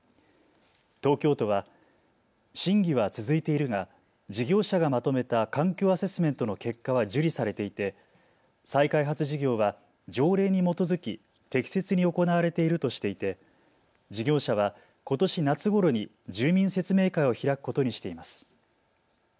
東京都は審議は続いているが事業者がまとめた環境アセスメントの結果は受理されていて再開発事業は条例に基づき適切に行われているとしていて事業者はことし夏ごろに住民説明会を開くことにしています。